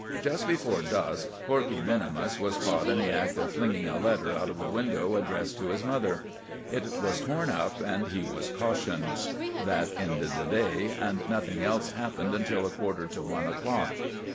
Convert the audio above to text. Just before dusk Corkey minimus was caught in the act of flinging a letter out of the window addressed to his mother. It was torn up, and he was cautioned. That ended the day, and nothing else happened until a quarter to one o'clock.